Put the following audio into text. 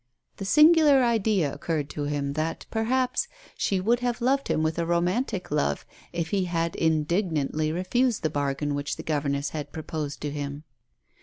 The singular idea occurred to him that, perhaps, she would have loved him with a romautic love if he had indignantly refused the bargain which the governess had proposed to him.